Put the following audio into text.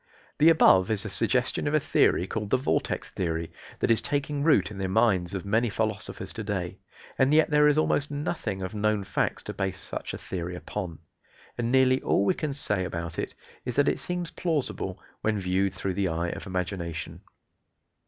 The above is a suggestion of a theory called "the vortex theory," that is taking root in the minds of many philosophers to day, and yet there is almost nothing of known facts to base such a theory upon, and nearly all we can say about it is that it seems plausible, when viewed through the eye of imagination.